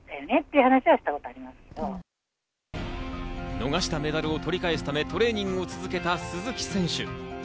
逃したメダルを取り返すためトレーニングを続けた鈴木選手。